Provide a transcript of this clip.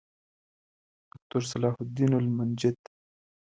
دوکتورصلاح الدین المنجد